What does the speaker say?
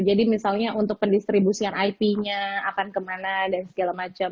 jadi misalnya untuk pendistribusian ip nya akan kemana dan segala macam